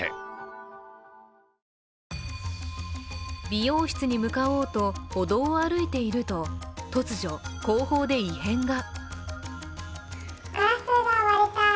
美容室に向かおうと歩道を歩いていると突如、後方で異変が。